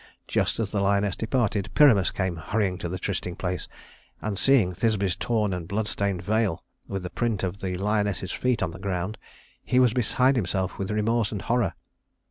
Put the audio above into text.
Just as the lioness departed, Pyramus came hurrying to the trysting place, and seeing Thisbe's torn and blood stained veil and the print of the lioness's feet on the ground, he was beside himself with remorse and horror.